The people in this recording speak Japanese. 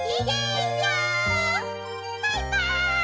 バイバイ！